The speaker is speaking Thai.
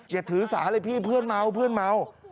อย่าถือสาหร่ายพี่เพื่อนเมา